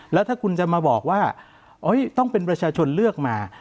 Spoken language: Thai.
แล้วถ้าคุณจะมาบอกว่าต้องเป็นประชาชนเลือกมา